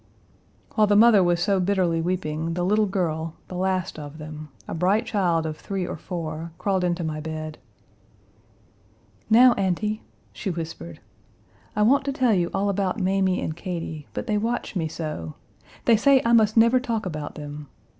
While the mother was so bitterly weeping, the little girl, the last of them, a bright child of three or four, crawled into my bed. "Now, Auntie," she whispered, "I want to tell you all about Mamie and Katie, but they watch me so. They say I must never talk about them.